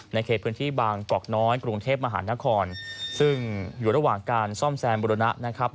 เขตพื้นที่บางกอกน้อยกรุงเทพมหานครซึ่งอยู่ระหว่างการซ่อมแซมบุรณะนะครับ